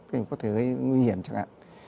thì có thể gây nguy hiểm chẳng hạn